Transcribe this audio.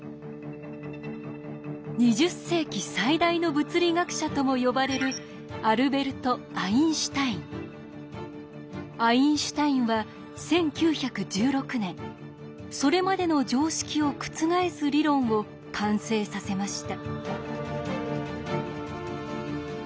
「２０世紀最大の物理学者」とも呼ばれるアインシュタインは１９１６年それまでの常識を覆す理論を完成させました。